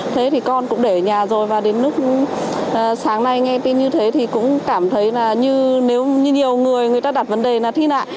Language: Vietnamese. thế thì con cũng để ở nhà rồi và đến lúc sáng nay nghe tin như thế thì cũng cảm thấy là như nếu như nhiều người người ta đặt vấn đề là thi nạ